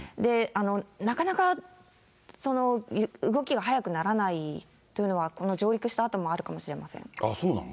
なかなか、動きが速くならないというのは、この上陸したあともあるかもしれそうなの？